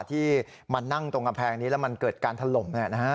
ที่มานั่งตรงกำแพงนี้แล้วมันเกิดการถล่ม